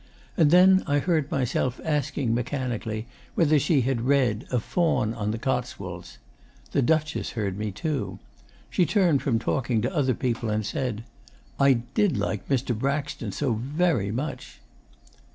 And then I heard myself asking mechanically whether she had read "A Faun on the Cotswolds." The Duchess heard me too. She turned from talking to other people and said "I did like Mr. Braxton so VERY much."